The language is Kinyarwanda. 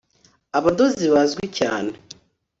abadozi bazwi cyane